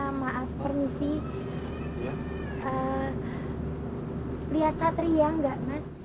ya makasih banyak mas